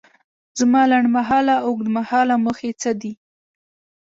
زما لنډ مهاله او اوږد مهاله موخې څه دي؟